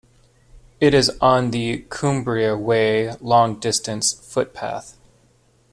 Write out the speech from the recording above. It is on the Cumbria Way long distance footpath.